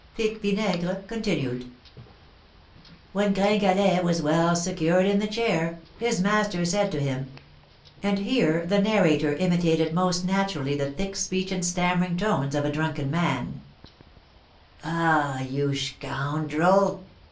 Pique Vinaigre continued: "When Gringalet was well secured in the chair, his master said to him" (and here the narrator imitated most naturally the thick speech and stammering tones of a drunken man): 'Ah you scoundrel!